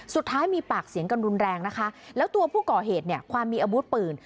สุดท้ายมีปากเสียงกันรุนแรงนะคะแล้วตัวผู้ก่อเหตุเนี่ยความมีอาวุธปืน